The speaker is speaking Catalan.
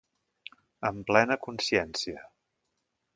Amb plena consciència.